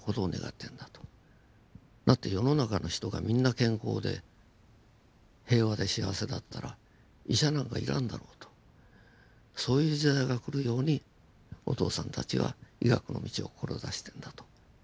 だって世の中の人がみんな健康で平和で幸せだったら医者なんか要らんだろうとそういう時代が来るようにお父さんたちは医学の道を志してんだと。